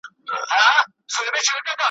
له باغلیو څخه ډک سول گودامونه ,